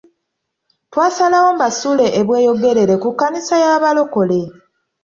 Twasalawo mbasuule e Bweyogerere ku kkanisa y'abalokole.